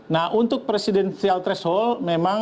nah untuk presidensial threshold memang